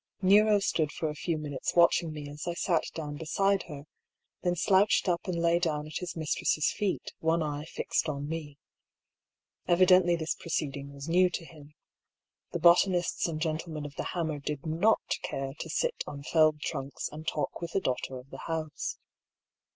Kero stood for a few minutes watching me as I sat down beside her, then slouched up and lay down at his mis tress' feet, one eye fixed on me. Evidently this pro ceeding was new to him. The botanists and gentlemen of the hammer did not care to sit on felled trunks and talk with the daughter of the house.